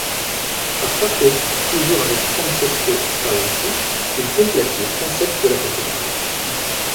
À Prato, toujours avec Francesco Talenti, il complète le transept de la cathédrale.